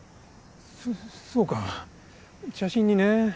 そそうか茶神にね。